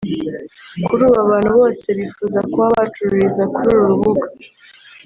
kuri ubu abantu bose bifuza kuba bacururiza kuri uru rubuga